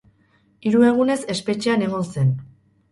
Hiru egunez espetxean egon zen.